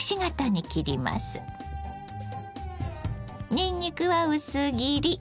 にんにくは薄切り。